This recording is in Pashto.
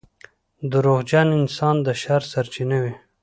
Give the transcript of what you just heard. • دروغجن انسان د شر سرچینه وي.